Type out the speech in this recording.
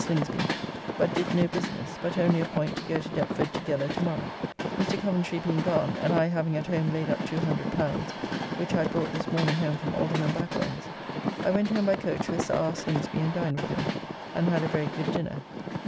Slingsby, but did no business, but only appoint to go to Deptford together tomorrow. Mr. Coventry being gone, and I having at home laid up L200 which I had brought this morning home from Alderman Backwell's, I went home by coach with Sir R. Slingsby and dined with him, and had a very good dinner.